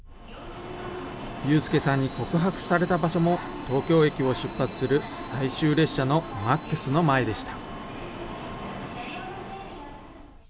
祐亮さんに告白された場所も、東京駅を出発する最終列車のＭａｘの前でした。